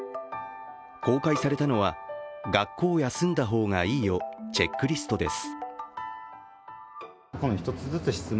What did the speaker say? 公開されたのは、学校休んだほうがいいよチェックリストです。